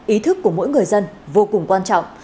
ý thức của mỗi người dân vô cùng quan trọng